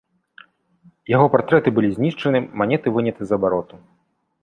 Яго партрэты былі знішчаны, манеты выняты з абароту.